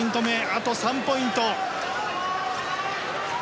あと３ポイント。